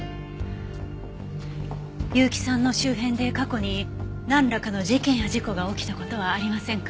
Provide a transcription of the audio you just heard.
結城さんの周辺で過去になんらかの事件や事故が起きた事はありませんか？